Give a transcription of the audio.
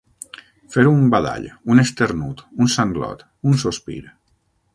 Fer un badall, un esternut, un sanglot, un sospir.